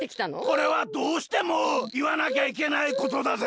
これはどうしてもいわなきゃいけないことだぜ！